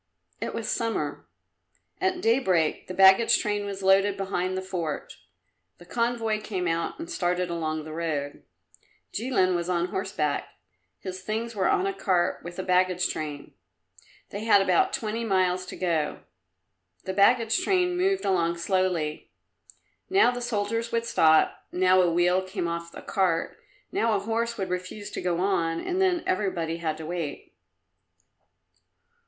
It was summer. At daybreak the baggage train was loaded behind the fort; the convoy came out and started along the road. Jilin was on horseback; his things were on a cart with the baggage train. They had about twenty miles to go. The baggage train moved along slowly; now the soldiers would stop, now a wheel came off a cart, now a horse would refuse to go on, and then everybody had to wait.